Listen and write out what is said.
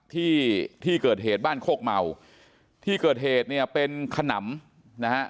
ที่ที่เกิดเหตุบ้านโคกเมาที่เกิดเหตุเนี่ยเป็นขนำนะฮะ